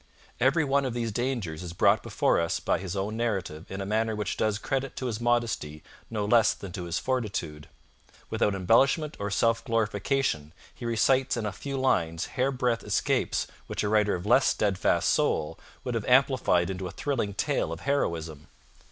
Every one of these dangers is brought before us by his own narrative in a manner which does credit to his modesty no less than to his fortitude. Without embellishment or self glorification, he recites in a few lines hairbreadth escapes which a writer of less steadfast soul would have amplified into a thrilling tale of heroism.